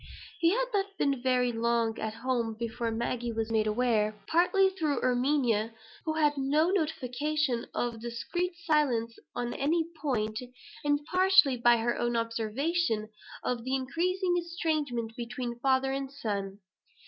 He had not been very long at home before Maggie was made aware, partly through Erminia, who had no notion of discreet silence on any point, and partly by her own observation, of the increasing estrangement between father and son.